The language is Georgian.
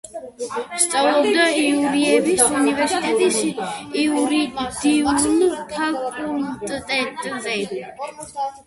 სწავლობდა იურიევის უნივერსიტეტის იურიდიულ ფაკულტეტზე.